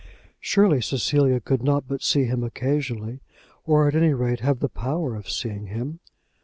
Surely Cecilia could not but see him occasionally, or at any rate have the power of seeing him.